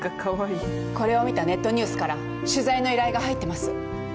これを見たネットニュースから取材の依頼が入ってます。